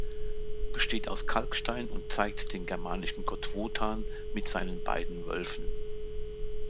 Besteht aus Kalkstein und zeigt den germanischen Gott Wotan mit seinen beiden Wölfen.